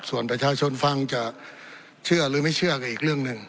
ส่วนประชาชนฟังจะเชื่อหรือไม่เชื่อก็อีกเรื่องหนึ่ง